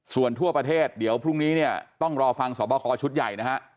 ส่วนทั่วประเทศเดี๋ยวพรุ่งนี้เนี่ยต้องรอฟังสอบคอชุดใหญ่นะฮะ